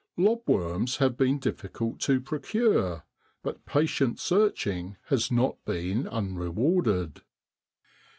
Lobworms have been difficult to procure, but patient searching has not been unrewarded.